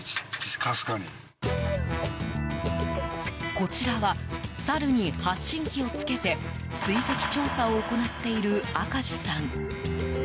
こちらはサルに発信器を付けて追跡調査を行っている明石さん。